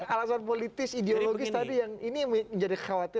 alasan politis ideologis tadi yang ini menjadi kekhawatiran